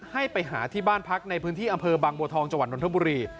ให้ไปหาที่บ้านพักในบบังโบทองจนธมบุรี